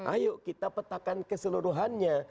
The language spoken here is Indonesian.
ayo kita petakan keseluruhannya